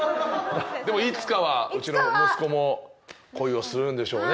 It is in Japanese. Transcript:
でもいつかはうちの息子も恋をするんでしょうね。